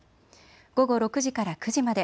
午後６時から９時まで。